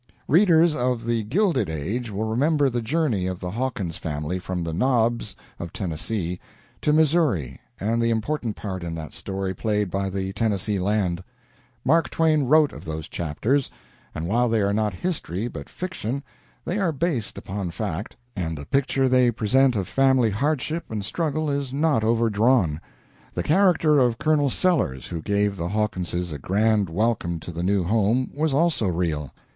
Readers of the "Gilded Age" will remember the journey of the Hawkins family from the "Knobs" of Tennessee to Missouri and the important part in that story played by the Tennessee land. Mark Twain wrote those chapters, and while they are not history, but fiction, they are based upon fact, and the picture they present of family hardship and struggle is not overdrawn. The character of Colonel Sellers, who gave the Hawkinses a grand welcome to the new home, was also real.